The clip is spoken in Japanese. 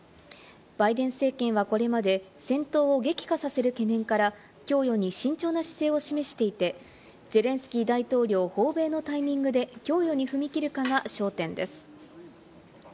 バイデン政権はこれまで戦闘を激化させる懸念から供与に慎重な姿勢を示していて、ゼレンスキー大統領訪米のタイミングで供与に踏み切るかが焦点です。